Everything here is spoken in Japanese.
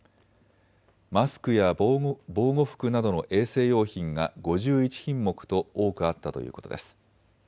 マスクや防護服などの衛生用品が５１品目と多くあったということです。